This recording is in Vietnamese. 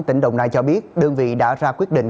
tỉnh đồng nai cho biết đơn vị đã ra quyết định